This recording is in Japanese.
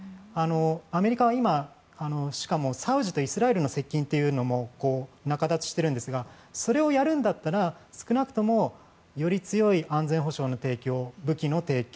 アメリカは今しかも、サウジとイスラエルの接近というのも仲立ちしているんですがそれをやるんだったら少なくとも、より強い安全保障の提供、武器の提供